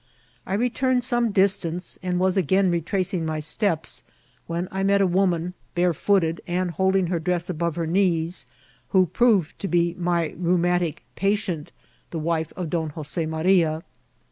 I returned some distance, and was again retracing my steps, when I met a woman, barefooted, and holdingrher dress above her knees, who proved to be my rheumatic patient, the wife of Don Jose Maria.